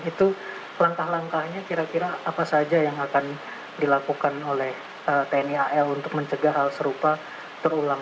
itu langkah langkahnya kira kira apa saja yang akan dilakukan oleh tni al untuk mencegah hal serupa terulang